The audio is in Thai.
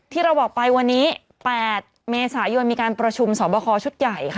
ที่เราบอกไปวันนี้๘เมษายนมีการประชุมสอบคอชุดใหญ่ค่ะ